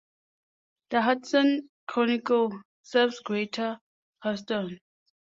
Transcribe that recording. The "Houston Chronicle" serves Greater Houston.